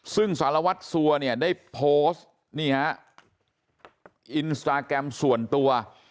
ซึ่งสารวัตรสัวเนี่ยได้โพสต์นี่ฮะอินสตาแกรมส่วนตัว